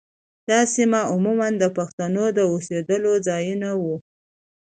دا سیمې عموماً د پښتنو د اوسېدو ځايونه وو.